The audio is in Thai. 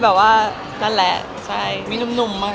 อเรนนี่สังหรับพี่อาจารย์